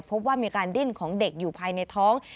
พบว่ามีการดิ้นของเด็กอยู่ภายในท้อง